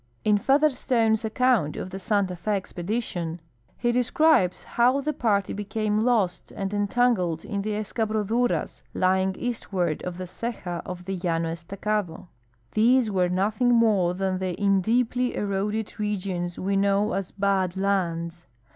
In Featherstone's account of the Santa F6 Expedition ^ he describes how the party became lost and entangled in the escabroduras lying eastward of the ceja of the Llano Estacado. These were nothing more than the in deeply erode<l regions we know as Bad Lands.